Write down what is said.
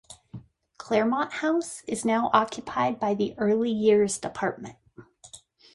"Claremont House" is now occupied by the early years department.